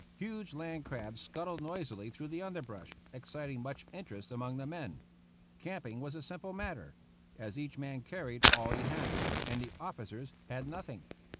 Huge land crabs scuttled noisily through the underbrush, exciting much interest among the men. Camping was a simple matter, as each man carried all he had, and the officers had nothing.